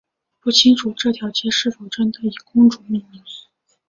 不清楚这条街是否真的以公主命名。